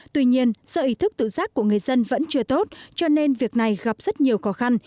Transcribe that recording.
tuy nhiên do ý thức tự giác của người dân vẫn chưa tốt cho nên việc này gặp rất nhiều khó khăn